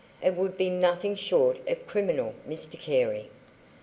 "It would be nothing short of criminal, Mr Carey."